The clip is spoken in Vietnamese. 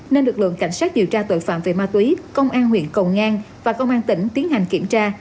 nên lực lượng cảnh sát điều tra tội phạm về ma túy công an huyện cầu ngang và công an tỉnh tiến hành kiểm tra